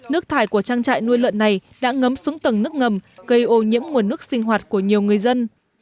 nước thải của trang trại nuôi lợn này đã ngấm xuống tầng nước ngầm gây ô nhiễm nguồn nước sinh hoạt của nhiều người dân